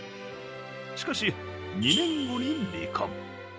しかし、２年後に離婚。